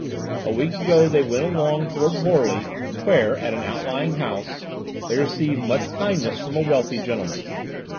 A week ago they went along towards Horley, where, at an outlying house, they received much kindness from a wealthy gentleman.